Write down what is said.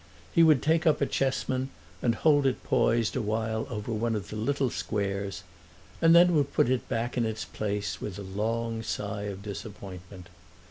He would take up a chessman and hold it poised a while over one of the little squares, and then would put it back in its place with a long sigh of disappointment.